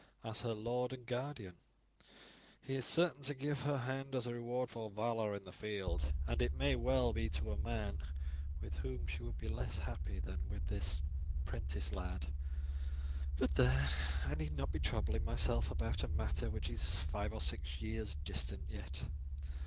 As her lord and guardian he is certain to give her hand as a reward for valour in the field, and it may well be to a man with whom she would be less happy than with this 'prentice lad; but there, I need not be troubling myself about a matter which is five or six years distant yet.